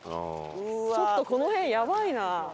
ちょっとこの辺やばいな。